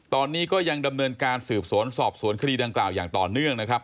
ตอนนี้ก็ยังดำเนินการสืบสวนสอบสวนคดีดังกล่าวอย่างต่อเนื่องนะครับ